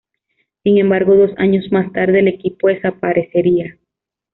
Sin embargo, dos años más tarde, el equipo desaparecería.